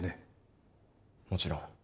もちろん。